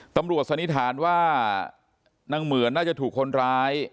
ตำรวจสนิทานว่านางเหมือนน่าจะถูกคนร้าย